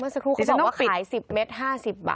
เมื่อสักครู่เขาบอกว่าขาย๑๐เมตร๕๐บาท